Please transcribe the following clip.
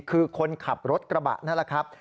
คือคนขับรถกระบะนั่นแหละครับ